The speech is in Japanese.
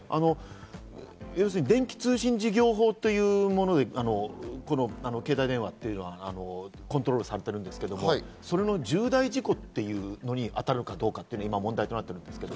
要するに電気通信事業法というもので、携帯電話というのはコントロールされているんですけど、それの重大事故というのに当たるかどうか今、問題となっているんですね。